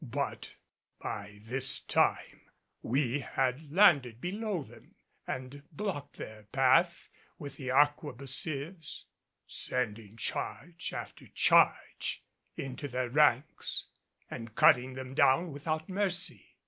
But by this time we had landed below them and blocked their path with the arquebusiers, sending charge after charge into their ranks and cutting them down without mercy.